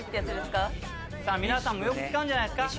皆さんもよく使うんじゃないですか。